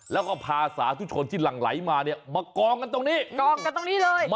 แล้วก็พาสาสุชนที่หลังไหลมามากรองกันตรงนี้